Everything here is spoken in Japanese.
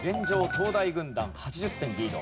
東大軍団８０点リード。